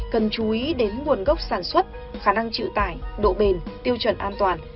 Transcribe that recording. cần chú ý đến nguồn gốc sản xuất khả năng chịu tải độ bền tiêu chuẩn an toàn